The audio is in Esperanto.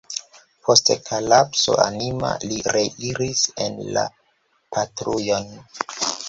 Post kolapso anima li reiris en la patrujon.